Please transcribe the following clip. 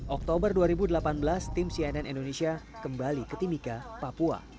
oktober dua ribu delapan belas tim cnn indonesia kembali ke timika papua